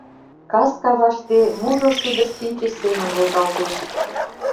Кас каваште мужыр шӱдыр чинче семын волгалтеш.